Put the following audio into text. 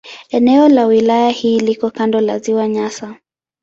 Eneo la wilaya hii liko kando la Ziwa Nyasa.